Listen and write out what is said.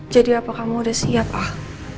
jadi apa kamu udah siap ah